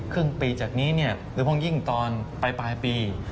ครึ่งปีจากนี้เนี่ยหรือเพราะยิ่งตอนปลายปี